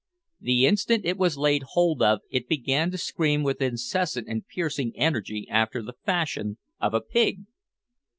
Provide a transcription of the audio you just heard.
The instant it was laid hold of it began to scream with incessant and piercing energy after the fashion of a pig.